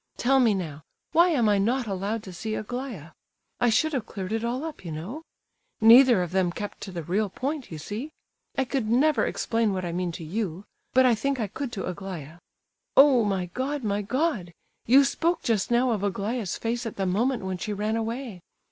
Tell me now, why am I not allowed to see Aglaya? I should have cleared it all up, you know. Neither of them kept to the real point, you see. I could never explain what I mean to you, but I think I could to Aglaya. Oh! my God, my God! You spoke just now of Aglaya's face at the moment when she ran away.